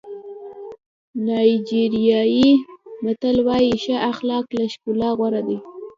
نایجیریایي متل وایي ښه اخلاق له ښکلا غوره دي.